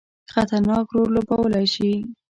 خطرناک رول لوبولای شي.